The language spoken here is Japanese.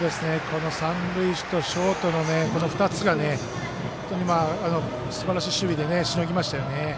三塁手とショートのこの２つがすばらしい守備でしのぎましたよね。